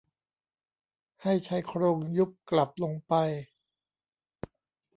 ให้ชายโครงยุบกลับลงไป